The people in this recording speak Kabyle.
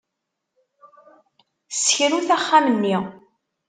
Ssekrut axxam-nni.